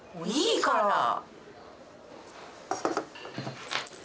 いいから！